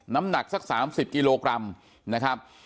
น้ำหนักสัก๓๐กิโลกรัมนะครับ